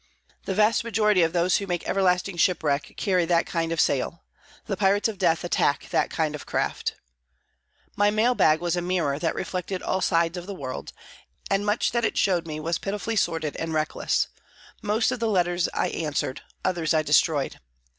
The vast majority of those who make everlasting shipwreck carry that kind of sail. The pirates of death attack that kind of craft. My mail bag was a mirror that reflected all sides of the world, and much that it showed me was pitifully sordid and reckless. Most of the letters I answered, others I destroyed.